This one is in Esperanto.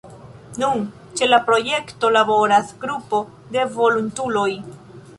Nun ĉe la projekto laboras grupo de volontuloj.